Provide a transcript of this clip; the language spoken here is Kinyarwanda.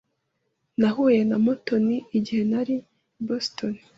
Nahuye na Mutoni igihe nari i Boston.